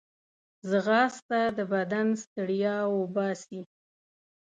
ځغاسته د بدن ستړیا وباسي